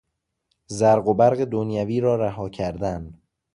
زرق و برق دنیوی را رها کردن